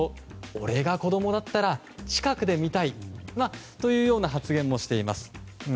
俺が子供だったら近くで見たいという発言もしています。